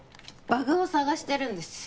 バグを探してるんです